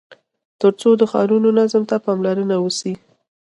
تر څو د ښارونو نظم ته پاملرنه وسي.